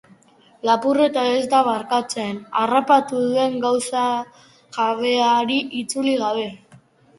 Lapurreta ez da barkatzen harrapatu den gauza jabeari itzuli gabe.